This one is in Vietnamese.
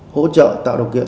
hỗ trợ tạo độc kiện